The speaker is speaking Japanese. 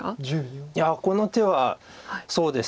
いやこの手はそうですね。